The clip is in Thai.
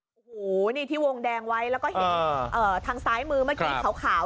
โอ้โหนี่ที่วงแดงไว้แล้วก็เห็นทางซ้ายมือเมื่อกี้ขาว